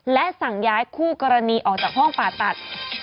และสั่งย้ายคู่กรณีออกจากห้องผ่าตัด